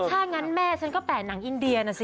ถ้างั้นแม่ฉันก็แปะหนังอินเดียนะสิ